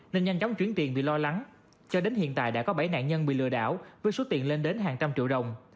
nên nhanh chóng chuyển tiền vì lo lắng cho đến hiện tại đã có bảy nạn nhân bị lừa đảo với số tiền lên đến hàng trăm triệu đồng